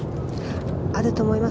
あると思います。